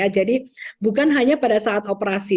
jadi bukan hanya pada saat operasi